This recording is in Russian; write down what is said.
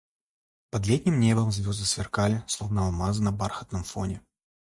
Под летним небом звезды сверкали, словно алмазы на бархатном фоне.